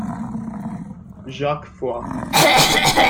Jacques Foix